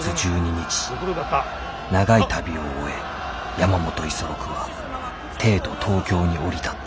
長い旅を終え山本五十六は帝都東京に降り立った。